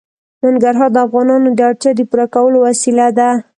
ننګرهار د افغانانو د اړتیاوو د پوره کولو وسیله ده.